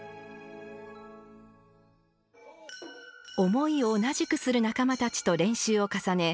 思いを同じくする仲間たちと練習を重ね